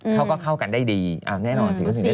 เขาก็เข้ากันได้ดีแน่นอนถึงจะแต่งงานกัน